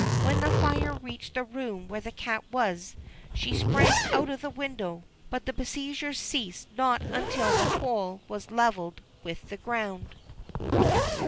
When the fire reached the room where the cat was, she sprang out of the window, but the besiegers ceased not until the whole was leveled with the ground.